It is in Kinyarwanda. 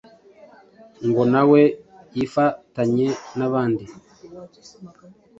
ngo na we yifatanye n'abandi